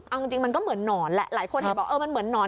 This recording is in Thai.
อันจริงมันก็เหมือนหนอน